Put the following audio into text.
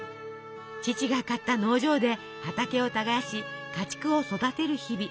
父が買った農場で畑を耕し家畜を育てる日々。